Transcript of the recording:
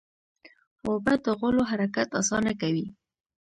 اوبه د غولو حرکت اسانه کوي.